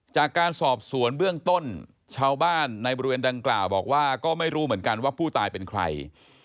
จากการสอบสวนเบื้องต้นชาวบ้านในบริเวณดังกล่าวบอกว่าก็ไม่รู้เหมือนกันว่าผู้ตายเป็นใคร